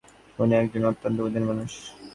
উনি একজন অত্যন্ত বুদ্ধিমান মানুষ।